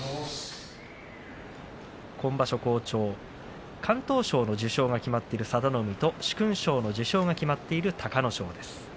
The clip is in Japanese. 今場所、好調敢闘賞の受賞が決まっている佐田の海と殊勲賞の受賞が決まっている隆の勝です。